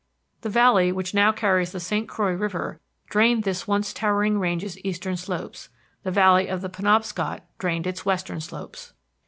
The valley which now carries the St. Croix River drained this once towering range's eastern slopes; the valley of the Penobscot drained its western slopes.